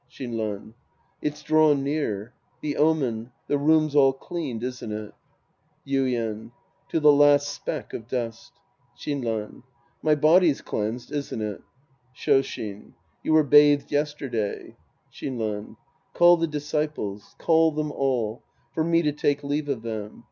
Shinran. It's drawn near. The omen, — the room's all cleaned, isn't it ? Yuien. To the last speck of dust. Shinran. My body's cleansed, isn't it ? Shoshin. You were bathed yesterday. Shinran. Call the disciples. Call them all. For me to take leave of them.